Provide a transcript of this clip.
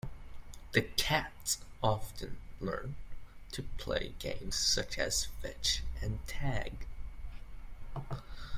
The cats often learn to play games such as 'fetch' and 'tag'.